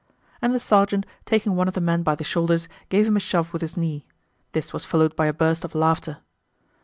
And the sergeant, taking one of the men by the shoulders, gave him a shove with his knee. This was followed by a burst of laughter.